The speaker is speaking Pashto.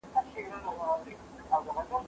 زه له سهاره کښېناستل کوم،